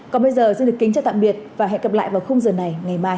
còn bây giờ xin được kính chào tạm biệt và hẹn gặp lại vào khung giờ này ngày mai